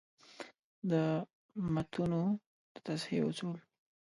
د متونو د تصحیح اصول: